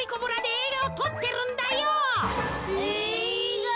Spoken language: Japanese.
えいが！？